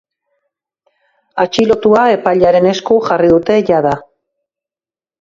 Atxilotua epailearen esku jarri dute jada.